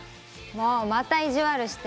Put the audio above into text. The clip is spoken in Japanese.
もう、また意地悪して！